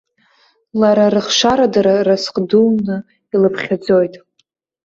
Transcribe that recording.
Лара рыхшарадара разҟ дуны илыԥхьаӡоит.